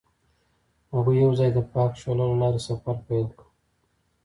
هغوی یوځای د پاک شعله له لارې سفر پیل کړ.